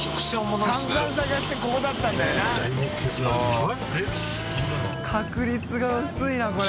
中島）確率が薄いなこれ。